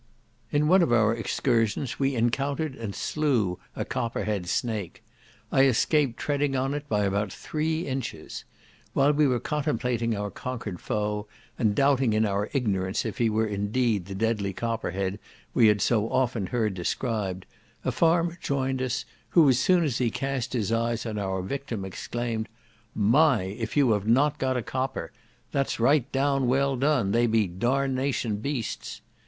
In one of our excursions we encountered and slew a copperhead snake. I escaped treading on it by about three inches. While we were contemplating our conquered foe, and doubting in our ignorance if he were indeed the deadly copper head we had so often heard described, a farmer joined us, who, as soon as he cast his eyes on our victim, exclaimed, "My! if you have not got a copper. That's right down well done, they be darnation beasts."